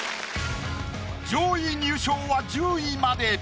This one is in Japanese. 上位入賞は１０位まで。